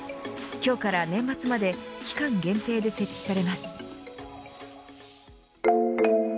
今日から年末まで期間限定で設置されます。